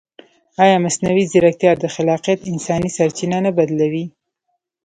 ایا مصنوعي ځیرکتیا د خلاقیت انساني سرچینه نه بدلوي؟